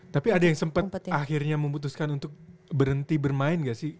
tapi ada yang sempat akhirnya memutuskan untuk berhenti bermain gak sih